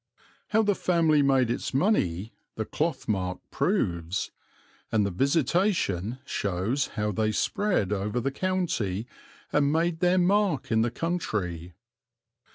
How the family made its money the "clothmark" proves; and the Visitation shows how they spread over the county and made their mark in the country.